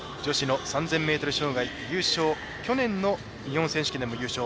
女子３０００ｍ障害、優勝去年の日本選手権でも優勝。